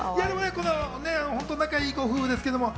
本当仲良いご夫婦ですけど。